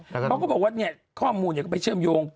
เขาก็บอกว่าเนี่ยข้อมูลก็ไปเชื่อมโยง